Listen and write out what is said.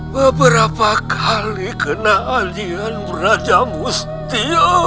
beberapa kali kena alian raja musti